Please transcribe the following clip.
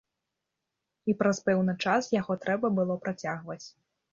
І праз пэўны час яго трэба было працягваць.